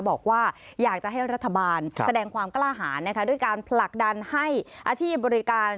บอกว่าอยากจะให้รัฐบาลแสดงความกล้าหารนะคะด้วยการผลักดันให้อาชีพบริการ